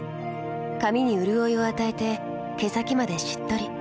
髪にうるおいを与えて毛先までしっとり。